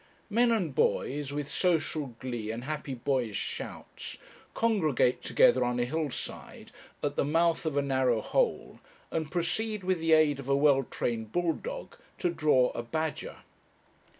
Men and boys, with social glee and happy boyish shouts, congregate together on a hill side, at the mouth of a narrow hole, and proceed, with the aid of a well trained bull dog, to draw a badger.